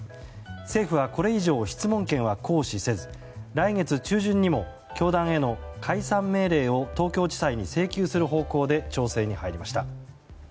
政府はこれ以上質問権は行使せず来月中旬にも教団への解散命令を東京地裁に請求する方向で調整に入りました。